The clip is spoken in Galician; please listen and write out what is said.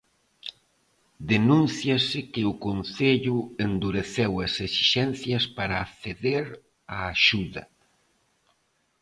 Denúnciase que o Concello endureceu as esixencias para acceder á axuda.